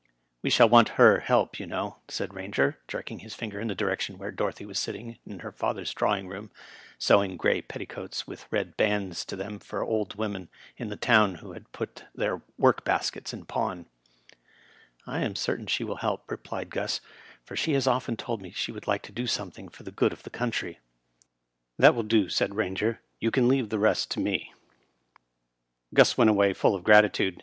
" We shall want Her help, you know," said Eainger, jerking his finger in the direction where Dorothy was sit ting in her father's drawing room, sewing gray petticoats with red bands to them for old women in the town who had put their work baskets in pawn. " I am certain she will help," replied Gus, " for she has often told me she would like to do something for the good of the country." "That will do," said Eainger; "you can leave the rest to me." 8 Digitized by VjOOQIC 170 RILET, M.F. QxiB went away full of gratitude.